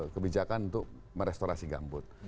kebijakan untuk merestorasi gambut